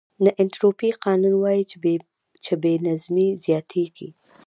د انټروپي قانون وایي چې بې نظمي زیاتېږي.